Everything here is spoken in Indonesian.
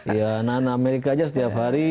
ya anak anak amerika aja setiap hari